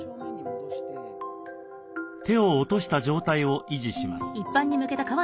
手を落とした状態を維持します。